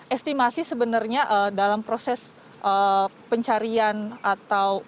estimasi sebenarnya dalam proses pencarian atau